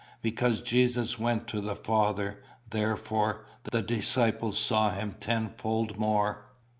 Because Jesus went to the Father, therefore the disciples saw him tenfold more.